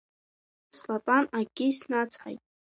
Слатәан, акгьы снацҳаит.